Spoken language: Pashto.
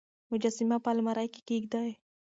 مجسمه په المارۍ کې کېږدئ.